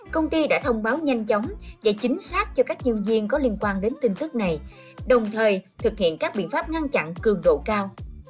công ty đã thông báo nhanh chóng và chính xác cho các nhân viên có liên quan đến tin tức này đồng thời thực hiện các biện pháp ngăn chặn cường độ cao